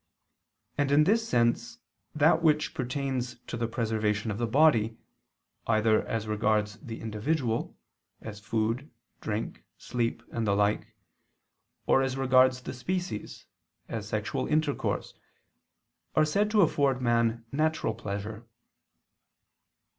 And in this sense, that which pertains to the preservation of the body, either as regards the individual, as food, drink, sleep, and the like, or as regards the species, as sexual intercourse, are said to afford man natural pleasure.